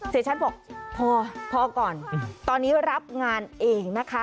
เสียชัดบอกพอก่อนตอนนี้รับงานเองนะคะ